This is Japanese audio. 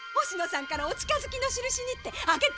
星野さんからお近づきのしるしにって。